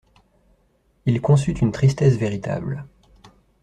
Il conçut une tristesse véritable.